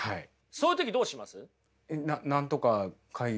そういう時どうします？